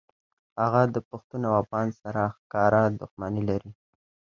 هغه د پښتون او افغان سره ښکاره دښمني لري